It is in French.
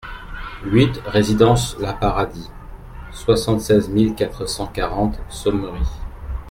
huit résidence la Paradis, soixante-seize mille quatre cent quarante Sommery